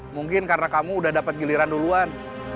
mungkin karena kamu udah dapat giliran duluan